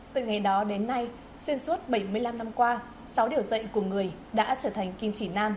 từ ngày đó đến nay xuyên suốt bảy mươi năm năm qua sáu điều dạy của người đã trở thành kim chỉ nam